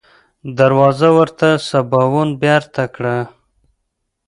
دروازه ورته سباوون بېرته کړه.